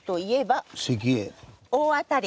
大当たり。